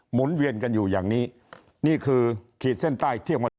หนเวียนกันอยู่อย่างนี้นี่คือขีดเส้นใต้เที่ยงวันนี้